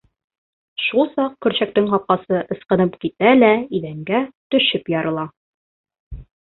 Шул саҡ көршәктең ҡапҡасы ысҡынып китә лә иҙәнгә төшөп ярыла.